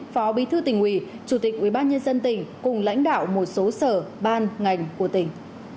phó bí thư tỉnh ủy chủ tịch ubnd tỉnh cùng lãnh đạo một số sở ban ngành của tỉnh